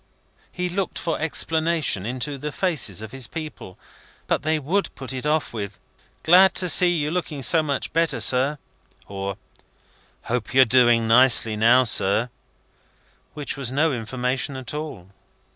He looked for explanation into the faces of his people. But they would put it off with "Glad to see you looking so much better, sir;" or "Hope you're doing nicely now, sir;" in which was no information at all.